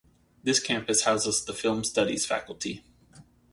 This campus houses the film studies faculty.